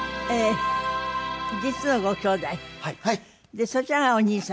でそちらがお兄様？